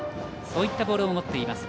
そういったボールも持っています。